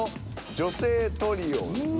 「女性トリオの」。